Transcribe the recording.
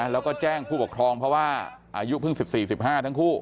แล้วก็แจ้งผู้ปกครองเพราะว่าอายุเพิ่ง๑๔๑๕ทั้งคู่